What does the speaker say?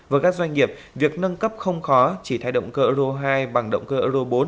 với các doanh nghiệp việc nâng cấp không khó chỉ thay động cơ eu ro hai bằng động cơ euro bốn